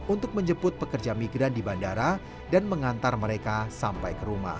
untuk menjemput pekerja migran di bandara dan mengantar mereka sampai ke rumah